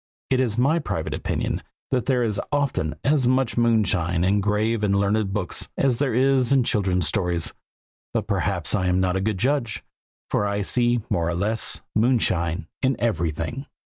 It is my private opinion that there is often as much moonshine in grave and learned books as there is in children's stories; but perhaps I am not a good judge, for I see more or less moonshine in everything.